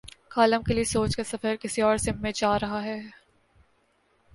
Column کے لیے سوچ کا سفر کسی اور سمت میں جاری تھا۔